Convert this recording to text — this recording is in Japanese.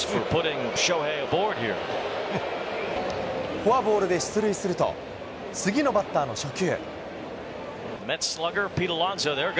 フォアボールで出塁すると、次のバッターの初球。